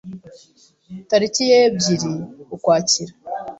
tariki ya ebyiri Ukwakira